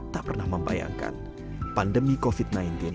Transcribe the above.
tak pernah membayangkan pandemi covid sembilan belas